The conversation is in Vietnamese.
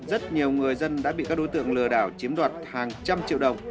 rất nhiều người dân đã bị các đối tượng lừa đảo chiếm đoạt hàng trăm triệu đồng